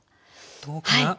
どうかな？